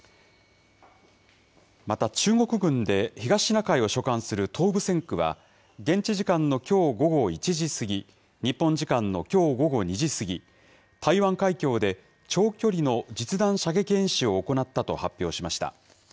また中国軍で東シナ海を所管する東部戦区は、現地時間のきょう午後１時過ぎ、日本時間のきょう午後２時過ぎ、台湾海峡で長距離の実弾射撃演習を行ったと発表しました。